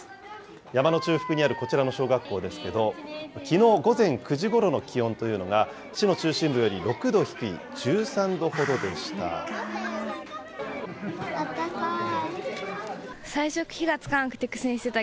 山の中腹にあるこちらの小学校ですけど、きのう午前９時ごろの気温というのが、市の中心部より６度低い１あったかい。